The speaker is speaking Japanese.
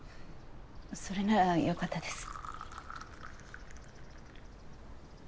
それならよかったです。